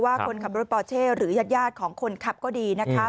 คนขับรถปอเช่หรือยาดของคนขับก็ดีนะคะ